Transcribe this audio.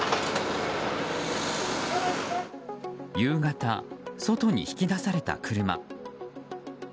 夕方、外に引き出された車。